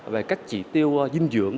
về các chỉ tiêu dinh dưỡng